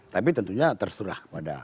tapi tentunya terserah pada